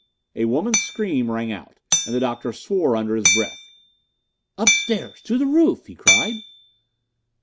A woman's scream rang out, and the Doctor swore under his breath. "Upstairs! To the roof!" he cried.